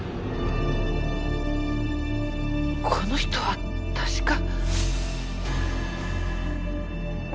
この人は確か。